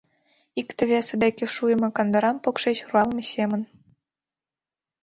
Икте-весе деке шуйымо кандырам покшеч руалме семын.